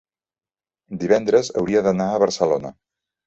divendres hauria d'anar a Barcelona.